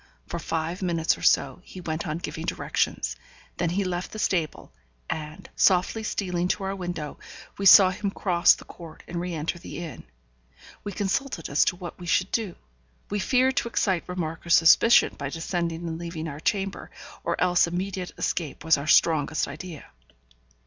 For five minutes or so he went on giving directions. Then he left the stable, and, softly stealing to our window, we saw him cross the court and re enter the inn. We consulted as to what we should do. We feared to excite remark or suspicion by descending and leaving our chamber, or else immediate escape was our strongest idea.